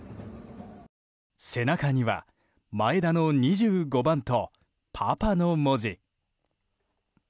背中には前田の２５番と「ＰＡＰＡ」の文字。